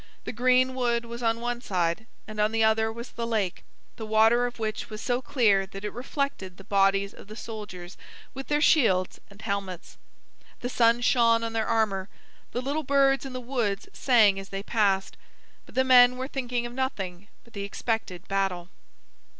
The green wood was on one side, and on the other was the lake, the water of which was so clear that it reflected the bodies of the soldiers with their shields and helmets. The sun shone on their armor. The little birds in the woods sang as they passed. But the men were thinking of nothing but the expected battle.